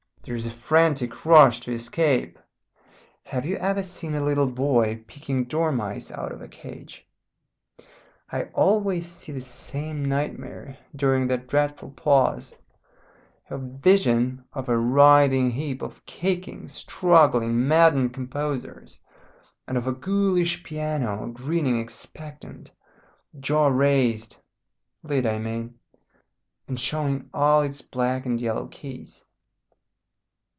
There is a frantic rush to escape. Have you ever seen a little boy picking dormice out of a cage? I always see this same nightmare during that dreadful pause, a vision of a writhing heap of kicking, struggling, maddened composers, and of a ghoulish piano grinning expectant, jaw raised lid I mean and showing all its black and yellow keys.